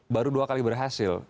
baru dua kali berhasil